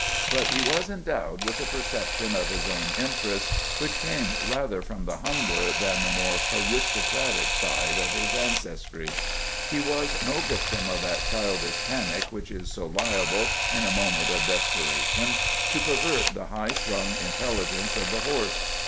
But he was endowed with a perception of his own interests, which came rather from the humbler than the more aristocratic side of his ancestry. He was no victim of that childish panic which is so liable, in a moment of desperation, to pervert the high strung intelligence of the horse.